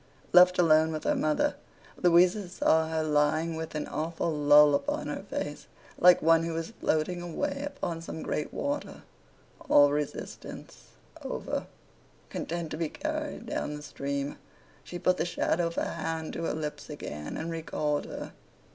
Left alone with her mother, Louisa saw her lying with an awful lull upon her face, like one who was floating away upon some great water, all resistance over, content to be carried down the stream. She put the shadow of a hand to her lips again, and recalled her.